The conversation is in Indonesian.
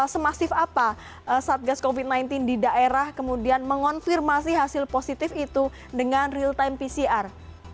semasif apa satgas covid sembilan belas di daerah kemudian mengonfirmasi hasil positif itu dengan real time pcr